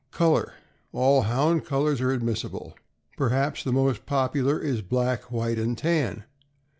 Color. — All Hound colors are admissible. Perhaps the most popular is black, white, and tan.